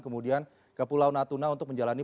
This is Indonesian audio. kemudian ke pulau natuna untuk menjalani